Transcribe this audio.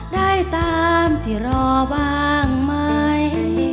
ได้ตามที่รอบ้างไหม